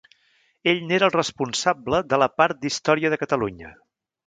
Ell n'era el responsable de la part d'història de Catalunya.